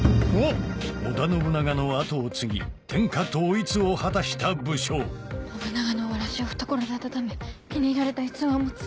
織田信長の後を継ぎ天下統一を果たした武将信長のわらじを懐で温め気に入られた逸話を持つ。